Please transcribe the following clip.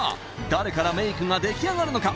誰からメイクが出来上がるのか？